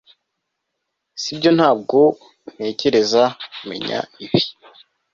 sibyo Ntabwo ntekereza menya ibi